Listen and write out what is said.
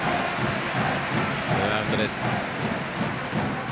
ツーアウトです。